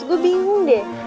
gue bingung deh